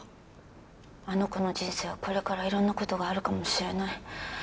あの子の人生はこれからいろんな事があるかもしれない。